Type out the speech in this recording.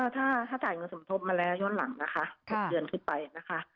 ถ้าจ่ายเงินสมทบมาแล้วย้อนหลังนะคะ๖เดือนขึ้นไปนะคะ